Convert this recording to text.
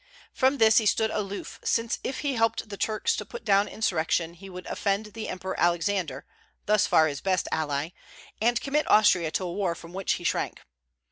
From this he stood aloof, since if he helped the Turks to put down insurrection he would offend the Emperor Alexander, thus far his best ally, and commit Austria to a war from which he shrank.